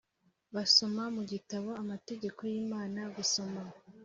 Basoma mu gitabo amategeko y Imana gusoma